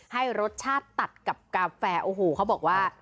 ให้รสชาติตัดกับกาแฟโอ้โหเขาบอกว่า